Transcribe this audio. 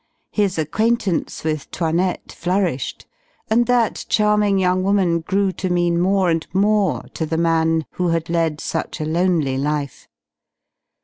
His acquaintance with 'Toinette flourished and that charming young woman grew to mean more and more to the man who had led such a lonely life.